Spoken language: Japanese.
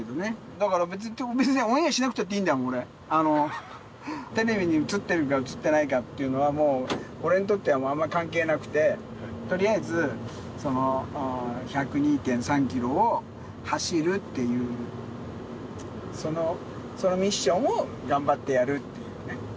だから別にオンエアしなくたっていいんだよ、テレビに映ってるか映ってないかっていうのは、もう俺にとってはあんま関係なくて、とりあえず、その１０２．３キロを走るっていう、そのミッションを頑張ってやるっていうね。